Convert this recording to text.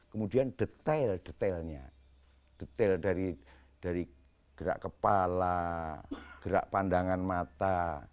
kemudian detail detailnya detail dari gerak kepala gerak pandangan mata